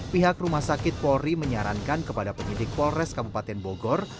pihak rumah sakit polri menyarankan kepada penyidik polres kabupaten bogor